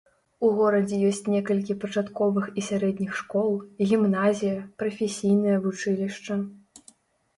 У горадзе ёсць некалькі пачатковых і сярэдніх школ, гімназія, прафесійнае вучылішча.